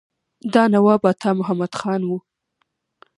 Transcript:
دا نواب عطا محمد خان وو.